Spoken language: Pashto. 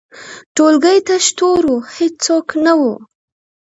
ټولګی تش تور و، هیڅوک نه وو.